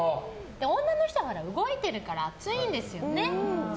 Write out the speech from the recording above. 女の人は動いてるから暑いんですよね。